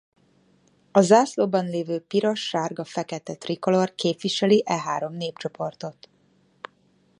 A zászlóban levő piros-sárga-fekete trikolór képviseli e három népcsoportot.